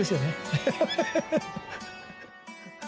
アハハハハ！